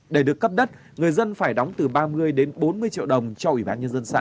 để được cấp đất người dân phải đóng từ ba mươi đến bốn mươi triệu đồng cho ủy ban nhân dân xã